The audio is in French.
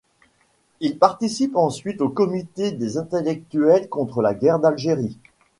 Il participe ensuite au Comité des Intellectuels contre la guerre d’Algérie.